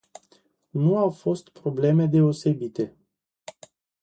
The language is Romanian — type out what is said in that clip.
Nu au fost probleme deosebite.